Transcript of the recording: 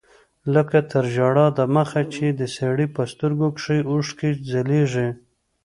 لکه تر ژړا د مخه چې د سړي په سترګو کښې اوښکې ځلېږي.